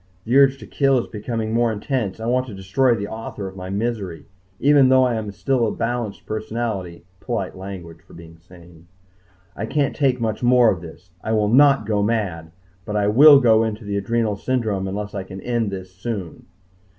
The urge to kill is becoming more intense. I want to destroy the author of my misery. Even though I am still a balanced personality polite language for being sane I can't take much more of this. I will not go mad, but I will go into the adrenal syndrome unless I can end this soon.